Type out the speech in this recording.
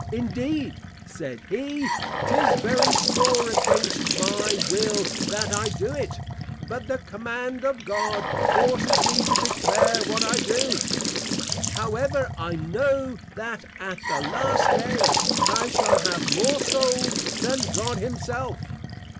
_ Indeed (said he) _'tis very sore against my will that I do it; but the command of God forces me to declare what I do; however I know that at the Last Day, I shall have more Souls than God himself.